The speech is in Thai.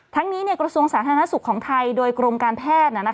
ทั้งนี้กระทรวงสาธารณสุขของไทยโดยกรมการแพทย์